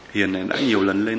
hiền đã nhiều lần lên